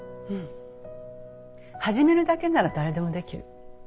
始めるだけなら誰でもできる。